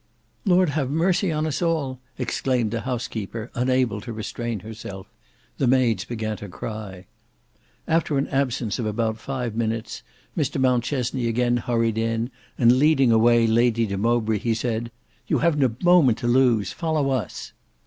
"Lord have mercy on us all!" exclaimed the housekeeper unable to restrain herself. The maids began to cry. After an absence of about five minutes Mr Mountchesney again hurried in and leading away Lady de Mowbray, he said, "You haven't a moment to lose. Follow us!"